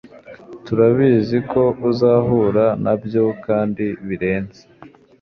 turabizi ko uzahura nabyo kandi birenze